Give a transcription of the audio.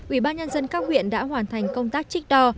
ủy ban nhân dân các huyện đã hoàn thành công tác trích đo